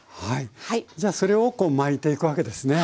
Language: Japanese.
じゃあそれをこう巻いていくわけですね。